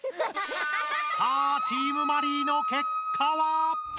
さあチームマリイの結果は！？